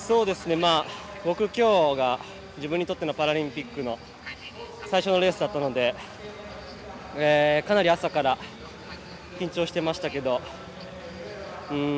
僕、今日が自分にとってのパラリンピックの最初のレースだったのでかなり朝から緊張してましたけど。